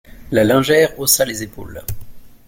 La lingère haussa les épaules.